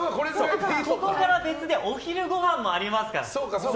ここから別でお昼ごはんもありますから。